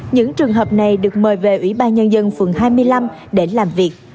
những trường hợp này được mời về ủy ban nhân dân phường hai mươi năm để làm việc